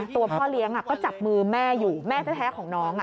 ตัวพ่อเลี้ยงก็จับมือแม่อยู่แม่แท้ของน้อง